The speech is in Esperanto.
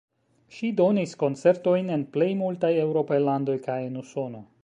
Ŝi donis koncertojn en plej multaj eŭropaj landoj kaj en Usono.